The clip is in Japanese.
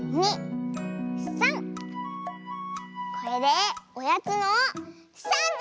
これでおやつの３じ！